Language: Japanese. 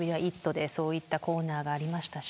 でそういったコーナーがありましたし。